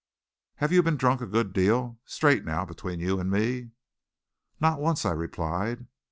Have you been drunk a good deal? Straight now, between you and me." "Not once," I replied.